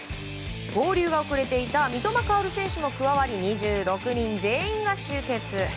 合流が遅れていた三笘薫選手も加わり２６人全員が集結！